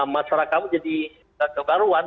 masyarakat jadi kewaruan